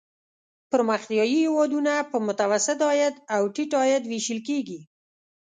پرمختیايي هېوادونه په متوسط عاید او ټیټ عاید ویشل کیږي.